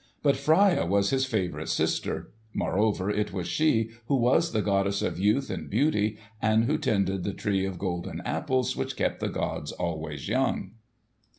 But Freia was his favourite sister. Moreover, it was she who was the goddess of youth and beauty and who tended the tree of golden apples which kept the gods always young.